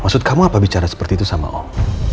maksud kamu apa bicara seperti itu sama om